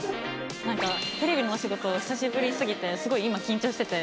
なんかテレビのお仕事久しぶりすぎてすごい今緊張してて。